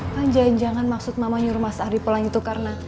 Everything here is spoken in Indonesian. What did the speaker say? panjain jangan maksud mama nyuruh mas ardi pulang itu karena